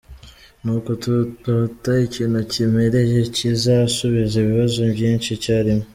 Nuko turota ikintu kiremereye kizasubiza ibibazo byinshi icya rimwe.